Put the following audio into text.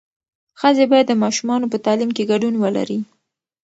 ښځې باید د ماشومانو په تعلیم کې ګډون ولري.